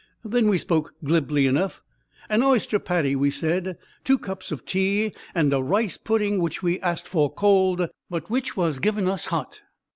Then we spoke glibly enough. "An oyster patty," we said; "two cups of tea, and a rice pudding which we asked for cold, but which was given us hot."